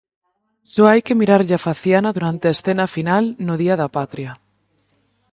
Só hai que mirarlle a faciana durante a escena final no Día da Patria.